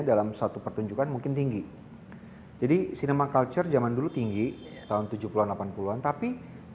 dalam satu pertunjukan mungkin tinggi jadi sinema culture zaman dulu tinggi tahun tujuh puluh an delapan puluh an tapi